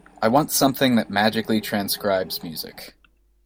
I want something that magically transcribes music.